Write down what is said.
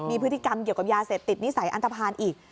มีพฤติกรรมเกี่ยวกับยาเสพติดนิสัยอันตภัณฑ์อีก